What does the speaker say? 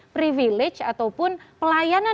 privilege ataupun pelayanan